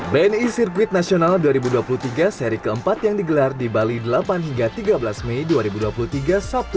bni sirkuit nasional dua ribu dua puluh tiga seri keempat